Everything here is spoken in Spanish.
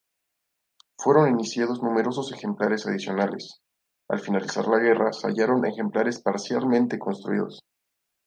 Fueron iniciados numerosos ejemplares adicionales, al finalizar la guerra se hallaron ejemplares parcialmente construidos.